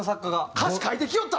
歌詞書いてきよった。